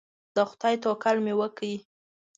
د خدای توکل مې وکړ.